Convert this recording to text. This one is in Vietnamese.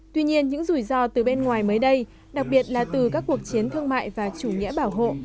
tuy nhiên những rủi ro từ bên ngoài mới đây đặc biệt là từ các cuộc chiến thương mại và chủ nghĩa bảo hộ